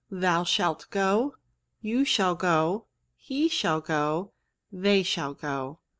Thou shalt go, You shall go. He shall go. They shall go.